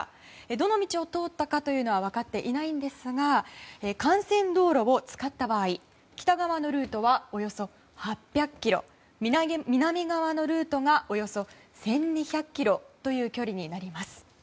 どの道を通ったかというのは分かっていないんですが幹線道路を使った場合北側のルートはおよそ８００ｋｍ南側のルートがおよそ１２００ｋｍという距離になります。